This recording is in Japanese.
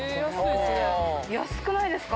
安くないですか？